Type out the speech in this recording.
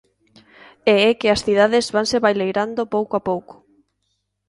E é que as cidades vanse baleirando pouco a pouco.